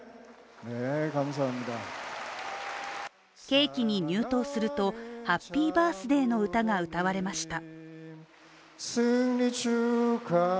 ケーキに入刀するとハッピーバースデーの歌が歌われました。